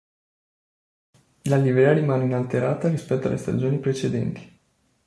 La livrea rimane inalterata rispetto alle stagioni precedenti.